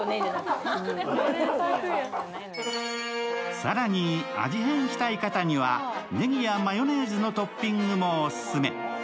更に、味変したい方には、ネギやマヨネーズのトッピングもオススメ。